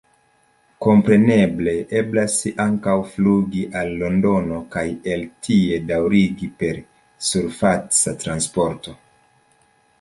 Kompreneble eblas ankaŭ flugi al Londono kaj el tie daŭrigi per surfaca transporto.